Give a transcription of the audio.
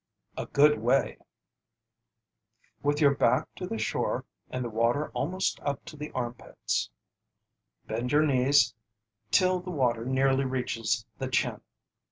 A GOOD WAY With your back to the shore and the water almost up to the armpits, bend your knees till the water nearly reaches the chin.